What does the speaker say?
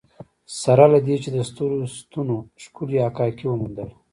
سره له دې یې د سترو ستنو ښکلې حکاکي وموندله.